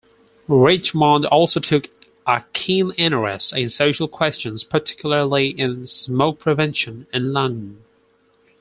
Richmond also took a keen interest in social questions, particularly in smoke-prevention in London.